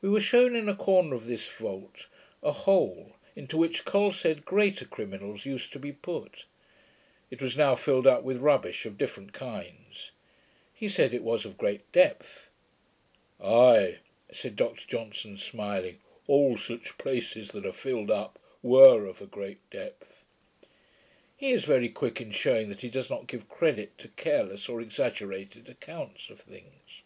We were shewn, in a corner of this vault, a hole, into which Col said greater criminals used to be put. It was now filled up with rubbish of different kinds. He said, it was of a great depth. 'Ay,' said Dr Johnson, smiling, 'all such places, that ARE FILLED UP, were of a great depth.' He is very quick in shewing that he does not give credit to careless or exaggerated accounts of things.